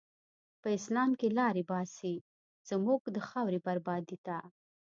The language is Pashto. په اسلام کی لاری باسی، زموږ د خاوری بربادی ته